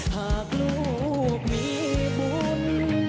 หากลูกมีบุญ